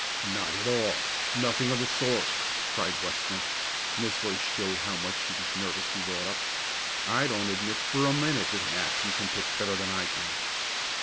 "Not at all nothing of the sort!" cried Weston, and his voice showed how much he was nervously wrought up. "I don't admit for a minute that Matson can pitch better than I can."